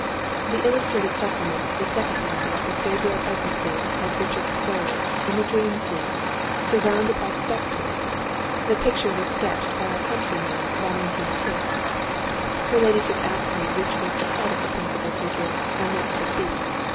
The illustrated supplement to the second number was Gabriel Egressy as Richard III., in the dream scene, surrounded by spectres; the picture was sketched by our countryman Valentine Kiss. Her ladyship asked me which was the head of the principal figure, and which the feet.